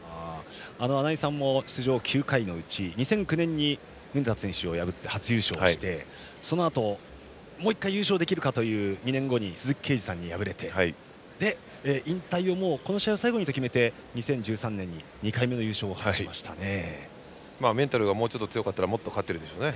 穴井さんも出場９回のうち２００９年に棟田選手を破って初優勝をしてそのあと、もう１回優勝できるかという２年後、鈴木桂治さんに敗れて引退をこの試合を最後にと決めて２０１３年に２回目の優勝をメンタルがもうちょっと強かったらもっと勝ってるでしょうね。